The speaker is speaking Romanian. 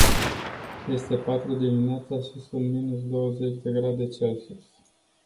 Este patru dimineața și sunt minus douăzeci de grade celsius.